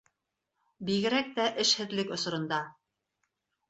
Бигерәк тә эшһеҙлек осоронда.